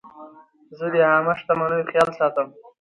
زه د عامه شتمنیو خیال ساتم.